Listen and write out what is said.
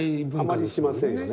あまりしませんよね。